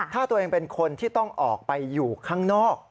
ถ้าตัวเองเป็นคนที่ต้องออกไปอยู่ข้างนอก